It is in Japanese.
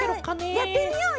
やってみようよ！